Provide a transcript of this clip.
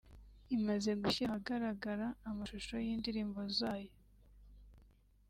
imaze gushyira ahagaragara amashusho y’indirimbo zayo